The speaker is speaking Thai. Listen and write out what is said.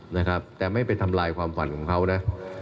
นะครับแต่ไม่ไปทำลายความฝันของเขานะ